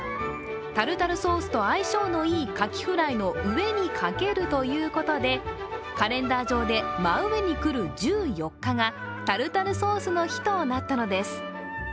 タルタルソースと相性のいいカキフライの上にかけるということで、カレンダー上で真上に来る１４日がタルタルソースの日となったのです。